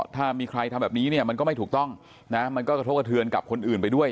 ถ้ามีใครทำแบบนี้มันก็ไม่ถูกต้องมันก็ทศกธือนกับคนอื่นไปด้วย